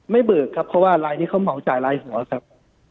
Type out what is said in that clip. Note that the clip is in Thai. เบิกครับเพราะว่าลายนี้เขาเหมาจ่ายลายหัวครับ